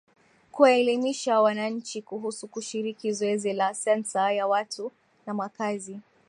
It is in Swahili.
Kuwaelimisha wananchi kuhusu kushiriki zoezi la Sensa ya Watu na Makazi